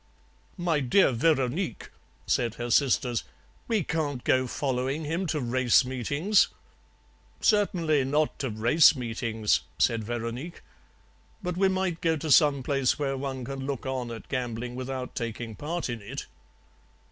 "'My dear Veronique,' said her sisters, 'we can't go following him to race meetings.' "'Certainly not to race meetings,' said Veronique, 'but we might go to some place where one can look on at gambling without taking part in it.'